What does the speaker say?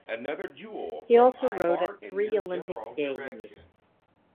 He also rode at three Olympic Games.